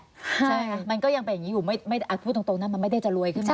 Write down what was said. ใช่มันก็ยังเป็นอย่างนี้อยู่พูดตรงนะมันไม่ได้จะรวยขึ้นมา